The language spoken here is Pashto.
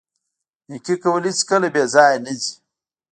نیکي کول هیڅکله بې ځایه نه ځي.